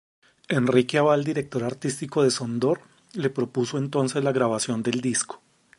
Enrique Abal, director artístico de Sondor, le propuso entonces la grabación del disco.